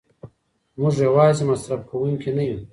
موږ یوازې مصرف کوونکي نه یو.